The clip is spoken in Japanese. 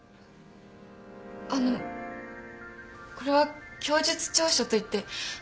あのこれは供述調書といって大熊さんの。